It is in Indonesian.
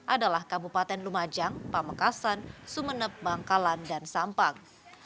adalah kabupaten lumajang pamekasan sumeneb bangkalan dan sampang